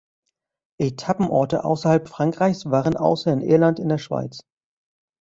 Etappenorte außerhalb Frankreichs waren außer in Irland in der Schweiz.